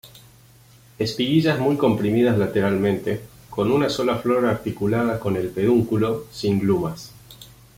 Espiguillas muy comprimidas lateralmente, con una sola flor articulada con el pedúnculo, sin glumas.